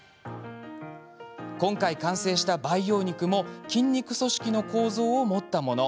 今回、完成した培養肉も筋肉組織の構造を持ったもの。